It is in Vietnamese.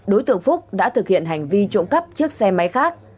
đối tượng phúc đã thực hiện hành vi trộm cắp chiếc xe máy khác